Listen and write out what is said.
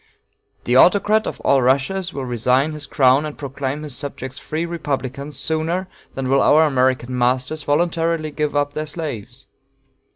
The Autocrat of all the Russias will resign his crown and proclaim his subjects free republicans sooner than will our American masters voluntarily give up their slaves.